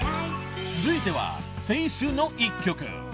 ［続いては青春の一曲］